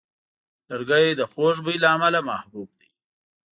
لرګی د خوږ بوی له امله محبوب دی.